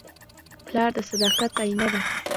پلار د صداقت آیینه ده.